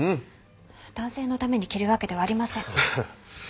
男性のために着るわけではありません。